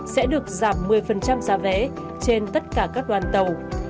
sẽ được giảm một mươi giá vé trên tất cả các đoàn tàu